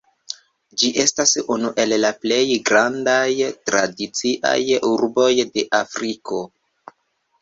Ĝi estas unu el la plej grandaj tradiciaj urboj de Afriko.